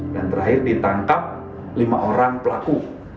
dan terakhir ditangkap lima orang pelaku